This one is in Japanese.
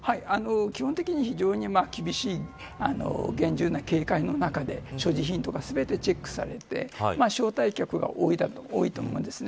基本的に非常に厳しい厳重な警戒の中で所持品とか全てチェックされて招待客が多いと思うんです。